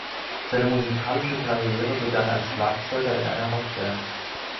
Seine musikalische Karriere begann als Schlagzeuger in einer Rockband.